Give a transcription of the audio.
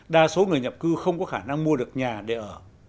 đa số người nhập cư không có khả năng mua được nhà để ở